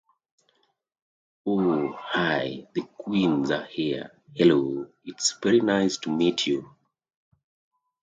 Oh hi, the queen's are here! Hello, it's very nice to meet you.